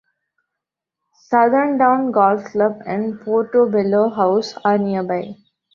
Southerndown Golf Club and Portobello House are nearby.